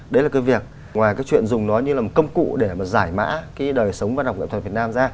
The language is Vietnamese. đấy là cái việc ngoài cái chuyện dùng nó như là một công cụ để mà giải mã cái đời sống văn học nghệ thuật việt nam ra